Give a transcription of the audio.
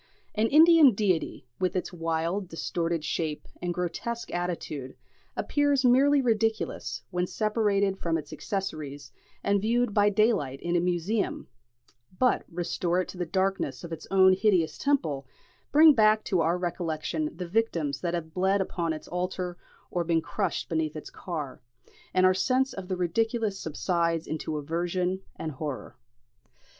An Indian deity, with its wild distorted shape and grotesque attitude, appears merely ridiculous when separated from its accessories and viewed by daylight in a museum; but restore it to the darkness of its own hideous temple, bring back to our recollection the victims that have bled upon its altar or been crushed beneath its car, and our sense of the ridiculous subsides into aversion and horror.